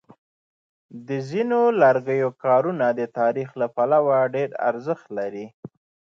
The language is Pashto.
د ځینو لرګیو کارونه د تاریخ له پلوه ډېر ارزښت لري.